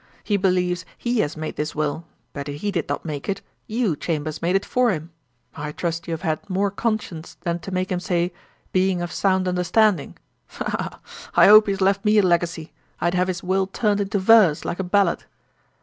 He believes he has made this will; but he did not make it: you, Chambers, made it for him. I trust you have had more conscience than to make him say, "being of sound understanding;" ha, ha, ha! I hope he has left me a legacy. I'd have his will turned into verse, like a ballad.'